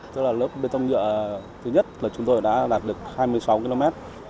tức là lớp bê tông nhựa thứ nhất là chúng tôi đã đạt được hai mươi sáu km